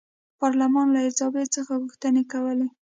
پارلمان له الیزابت څخه غوښتنې کولې.